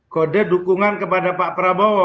kode dukungan kepada pak prabowo